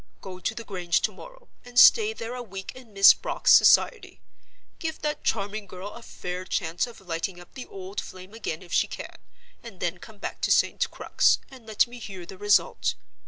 Go to the Grange to morrow, and stay there a week in Miss Brock's society. Give that charming girl a fair chance of lighting up the old flame again if she can, and then come back to St. Crux, and let me hear the result.